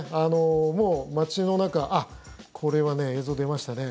もう街の中これは映像出ましたね。